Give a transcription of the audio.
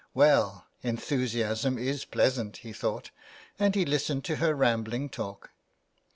'* Well, enthusiasm is pleasant," he thought, and he listened to her rambling talk.